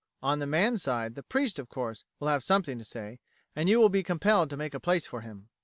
On the man's side, the priest, of course, will have something to say, and you will be compelled to make a place for him.